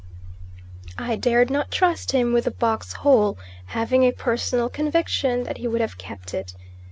I dared not trust him with the box whole, having a personal conviction that he would have kept it.